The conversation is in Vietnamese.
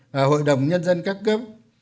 và hội đồng nhân dân các cấp